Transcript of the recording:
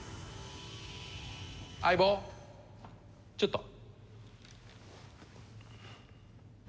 相棒ちょっと。